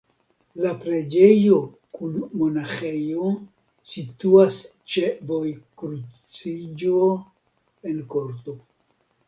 La preĝejo kun monaĥejo situas ĉe vojkruciĝo en korto.